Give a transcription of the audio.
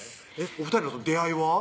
お２人の出会いは？